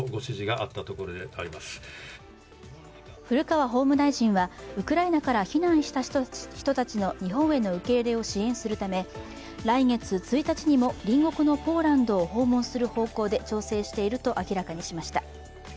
古川法務大臣は、ウクライナから避難した人たちの日本への受け入れを支援するため来月１日にも隣国のポーランドを訪問する方向で調整していると明らかにしました。